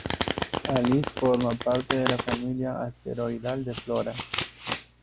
Alice forma parte de la familia asteroidal de Flora.